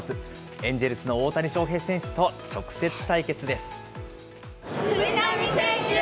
エンジェルスの大谷翔平選手と直接対決です。